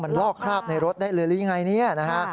มันลอกคราบในรถได้เลยหรือยังไงเนี่ยนะฮะ